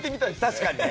確かにね。